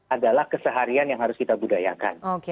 adalah keseharian yang harus kita budayakan